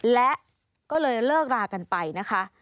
และก็เลยเลิกรากันไปนะคะ